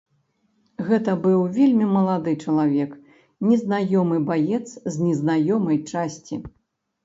Гэта быў вельмі малады чалавек, незнаёмы баец з незнаёмай часці.